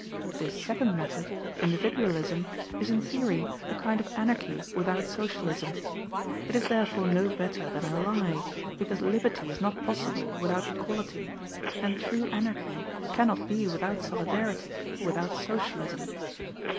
This second method, Individualism, is in theory a kind of Anarchy without Socialism. It is therefore no better than a lie, because liberty is not possible without equality, and true Anarchy cannot be without Solidarity, without Socialism.